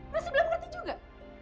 masih belum ngerti juga